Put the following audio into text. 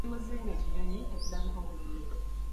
Ennyonyi muzinge kinyonyi ekirabika obulungi.